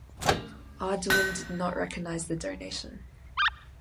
Arduin did not recognise the donation.